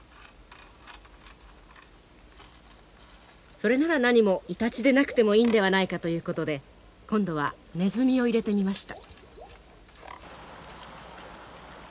それならなにもイタチでなくてもいいんではないかということで今度はネズミを入れてみました。